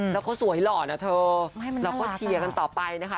แล้วเขาสวยหล่อนะเธอเราก็เชียร์กันต่อไปนะคะ